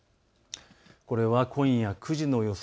これは今夜９時の予想。